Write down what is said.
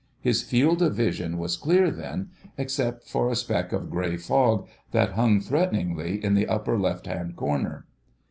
His field of vision was clear then, except for a speck of grey fog that hung threateningly in the upper left hand corner.